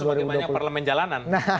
atau sebagaimana parlemen jalanan